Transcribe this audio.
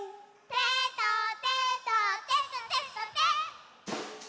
「テトテトテトテトテ」。